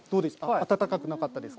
暖かくなかったですか？